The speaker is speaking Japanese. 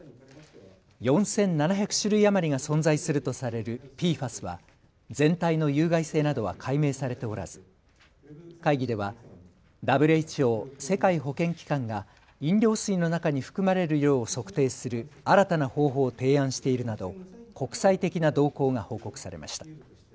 ４７００種類余りが存在するとされるＰＦＡＳは全体の有害性などは解明されておらず会議ではＷＨＯ・世界保健機関が飲料水の中に含まれる量を測定する新たな方法を提案しているなど国際的な動向が報告されました。